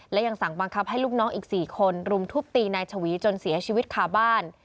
และยังสั่งบังคับให้ลูกน้องอีก๔คนรุมทุบตีนายชวีจนเสียชีวิตคาบ้าน